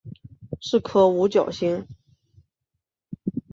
是颗五角星。